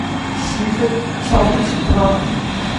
十分瞧不起他